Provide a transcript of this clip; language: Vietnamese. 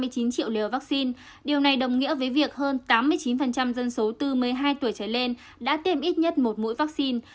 ba mươi chín triệu liều vaccine điều này đồng nghĩa với việc hơn tám mươi chín dân số từ một mươi hai tuổi trở lên đã tiêm ít nhất một mũi vaccine